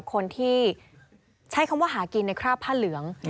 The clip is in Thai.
คนที่ใช้คำว่าหากินในคราบผ้าเหลือง